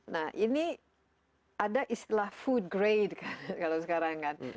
nah ini ada istilah food grade kalau sekarang kan